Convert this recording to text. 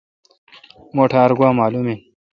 مٹھ ار گوا معلوم این۔